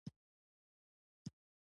غوږونه له خوږ غږ نه خوشحالېږي